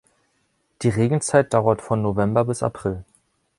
Die Regenzeit dauert von November bis April.